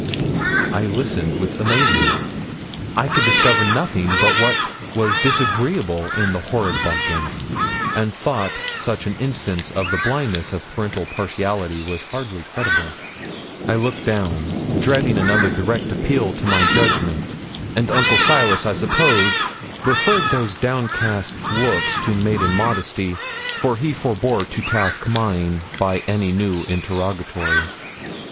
I listened with amazement. I could discover nothing but what was disagreeable in the horrid bumpkin, and thought such an instance of the blindness of parental partiality was hardly credible. I looked down, dreading another direct appeal to my judgment; and Uncle Silas, I suppose, referred those downcast looks to maiden modesty, for he forbore to task mine by any new interrogatory.